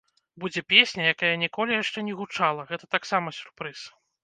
Будзе песня, якая ніколі яшчэ не гучала, гэта таксама сюрпрыз.